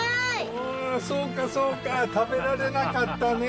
おおそうかそうか食べられなかったね。